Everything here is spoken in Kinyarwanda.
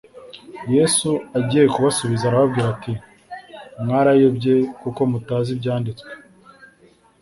yesu agiye kubasubiza arababwira ati “mwarayobye kuko mutazi ibyanditswe